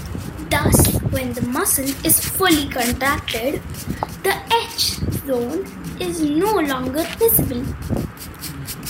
Thus when the muscle is fully contracted, the H zone is no longer visible.